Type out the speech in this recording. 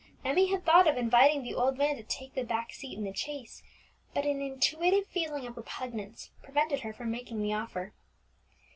Emmie had thought of inviting the old man to take the back seat in the chaise, but an intuitive feeling of repugnance prevented her from making the offer.